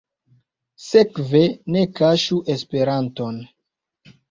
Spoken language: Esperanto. Sekve, ne kaŝu Esperanton.